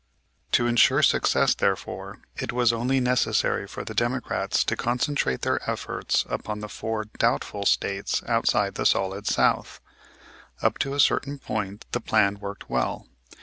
To insure success, therefore, it was only necessary for the Democrats to concentrate their efforts upon the four doubtful States outside of the Solid South. Up to a certain point the plan worked well.